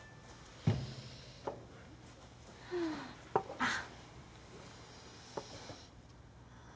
あっ。